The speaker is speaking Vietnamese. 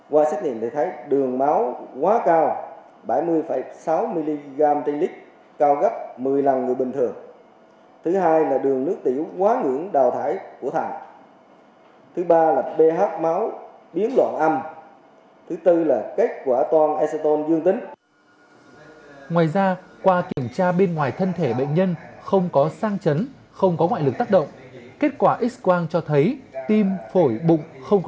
qua xét nghiệm thấy đường máu quá cao bảy mươi sáu mg trên lít cao gấp một mươi lần người bình thường